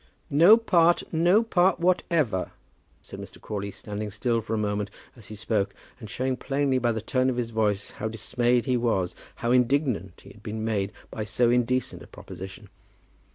"No part, no part whatever," said Mr. Crawley, standing still for a moment as he spoke, and showing plainly by the tone of his voice how dismayed he was, how indignant he had been made, by so indecent a proposition.